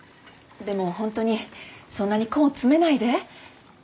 でもホントにそんなに根を詰めないで。